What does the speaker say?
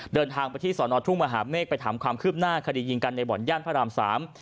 เดินทางไปที่สอนอทุ่งมหาเมฆไปถามความคืบหน้าคดียิงกันในบ่อนย่านพระรามสาม